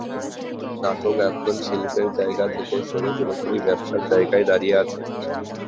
নাটক এখন শিল্পের জায়গা থেকে সরে পুরোপুরি ব্যবসার জায়গায় দাঁড়িয়ে আছে।